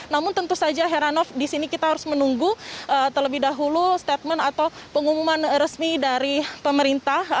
namun tentu saja heranov di sini kita harus menunggu terlebih dahulu statement atau pengumuman resmi dari pemerintah